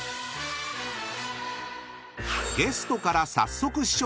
［ゲストから早速試食］